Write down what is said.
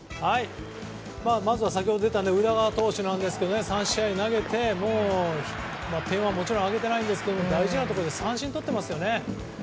まずは先ほどの宇田川投手ですが３試合投げて点は、もちろんあげていませんが大事なところで三振をとっていますよね。